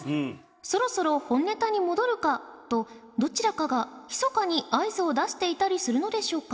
そろそろ本ネタに戻るかとどちらかがひそかに合図を出していたりするのでしょうか？